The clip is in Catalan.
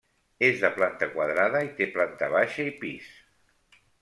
És de planta quadrada i té planta baixa i pis.